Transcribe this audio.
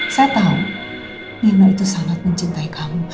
saya tahu nino itu sangat mencintai kamu